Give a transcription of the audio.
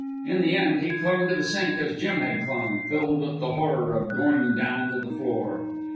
In the end, he clung to the sink as Jim had clung, filled with the horror of going down to the floor.